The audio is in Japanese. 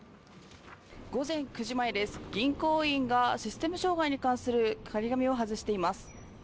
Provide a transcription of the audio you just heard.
午前９時前です、銀行員がシステム障害に関する貼り紙を外しています。